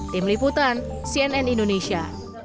tim liputan cnn indonesia